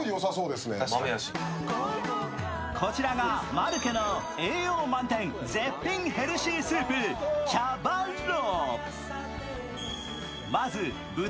こちらがマルケの栄養満点絶品ヘルシースープ、チャバッロ。